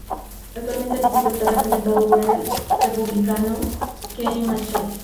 Actualmente el distrito está representado por el Republicano Kenny Marchant.